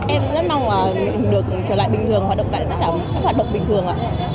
em rất mong là mình được trở lại bình thường hoạt động lại tất cả các hoạt động bình thường